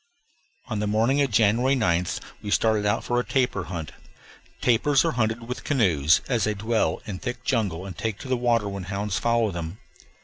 On the morning of January 9th we started out for a tapir hunt. Tapirs are hunted with canoes, as they dwell in thick jungle and take to the water when hounds follow them.